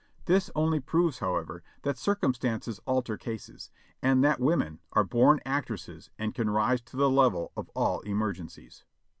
This only proves, however, that circumstances alter cases ; and that women are born actresses and can rise to the level of all emergencies.